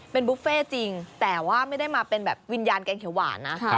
เป็นบุฟเฟ่จริงแต่ว่าไม่ได้มาเป็นแบบวิญญาณแกงเขียวหวานนะ